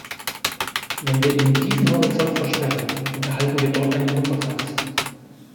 Wenn wir ihnen diesen Horizont versperren, unterhalten wir dort ein Pulverfass.